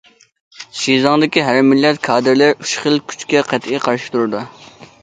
شىزاڭدىكى ھەر مىللەت كادىرلىرى ئۈچ خىل كۈچكە قەتئىي قارشى تۇرىدۇ.